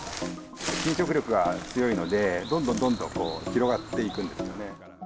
侵食力が強いので、どんどんどんどんこう、広がっていくんですよね。